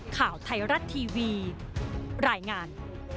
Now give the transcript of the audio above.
ข่าวไทยรัฐทีวีรายงาน